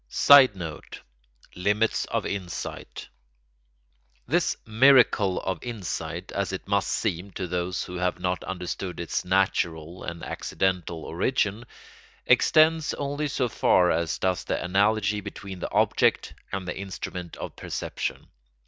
[Sidenote: Limits of insight] This miracle of insight, as it must seem to those who have not understood its natural and accidental origin, extends only so far as does the analogy between the object and the instrument of perception.